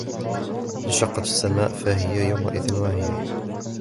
وانشقت السماء فهي يومئذ واهية